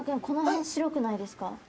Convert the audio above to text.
この辺白くないですか。